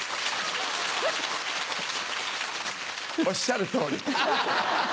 おっしゃる通り。